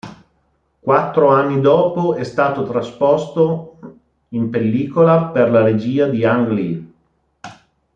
Quattro anni dopo è stato trasposto in pellicola per la regia di Ang Lee.